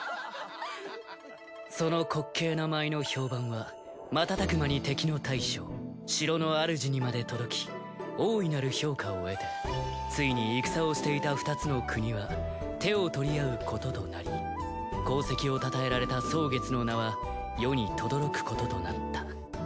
その滑稽な舞の評判は瞬く間に敵の大将城の主にまで届き大いなる評価を得てついに戦をしていた２つの国は手を取り合うこととなり功績を称えられた蒼月の名は世にとどろくこととなった。